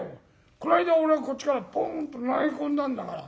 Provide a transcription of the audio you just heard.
この間俺がこっちからポンと投げ込んだんだから。